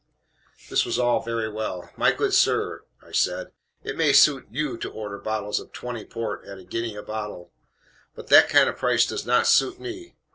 This was all very well. "My good sir," I said, "it may suit YOU to order bottles of '20 port, at a guinea a bottle; but that kind of price does not suit me.